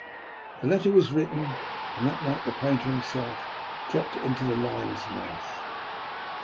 The letter was written, and that night the painter himself dropped it into the lion's mouth.